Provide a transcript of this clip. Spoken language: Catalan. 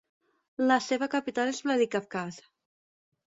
La seva capital és Vladikavkaz.